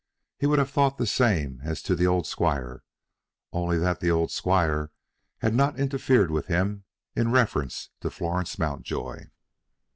He would have thought the same as to the old squire, only that the old squire had not interfered with him in reference to Florence Mountjoy.